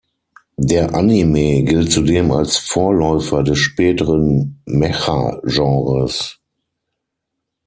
Der Anime gilt zudem als Vorläufer des späteren Mecha-Genres.